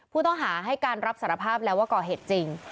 ผู้ต้องหาให้การรับสารภาพแล้วว่าก่อเหตุจริง